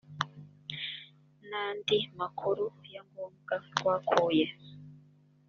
n andi makuru ya ngombwa rwakuye